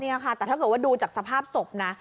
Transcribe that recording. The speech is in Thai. นี่ค่ะแต่ถ้าเกิดว่าดูจากสภาพศพนะ